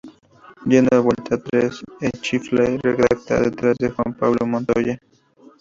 Yendo a vuelta tres, Hinchcliffe redactaba detrás Juan Pablo Montoya.